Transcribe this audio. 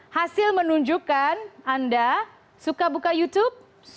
hasil menunjukkan anda suka buka youtube